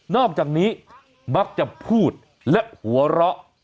อกจากนี้มักจะพูดและหัวเราะ